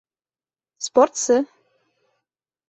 Спортсы.